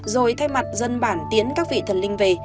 rồi thay mặt dân bản tiến các vị thần linh về